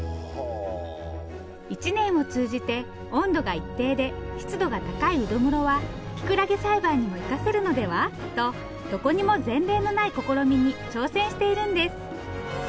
一年を通じて温度が一定で湿度が高いうど室はキクラゲ栽培にも生かせるのではとどこにも前例のない試みに挑戦しているんです。